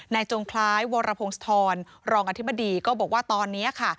จงคล้ายวรพงศธรรองอธิบดีก็บอกว่าตอนนี้ค่ะ